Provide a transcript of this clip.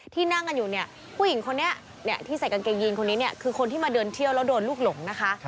นั่งกันอยู่เนี่ยผู้หญิงคนนี้ที่ใส่กางเกงยีนคนนี้เนี่ยคือคนที่มาเดินเที่ยวแล้วโดนลูกหลงนะคะ